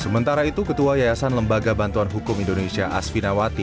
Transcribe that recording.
sementara itu ketua yayasan lembaga bantuan hukum indonesia asvinawati